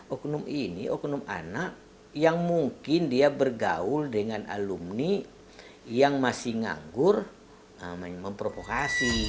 oknum ini oknum anak yang mungkin dia bergaul dengan alumni yang masih nganggur memprovokasi